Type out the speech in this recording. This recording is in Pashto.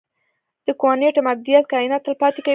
د کوانټم ابدیت کائنات تل پاتې کوي.